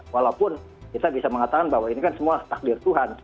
walaupun kita bisa mengatakan bahwa ini kan semua takdir tuhan